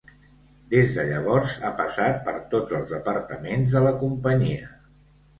Des de llavors ha passat per tots els departaments de la companyia.